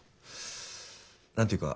何て言うかまあ